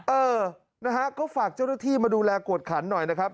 เออนะฮะก็ฝากเจ้าหน้าที่มาดูแลกวดขันหน่อยนะครับ